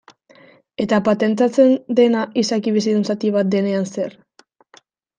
Eta patentatzen dena izaki bizidun zati bat denean zer?